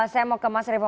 saya mau ke mas revo